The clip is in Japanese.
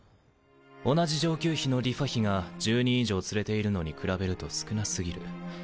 同じ上級妃の梨花妃が１０人以上連れているのに比べると少な過ぎる。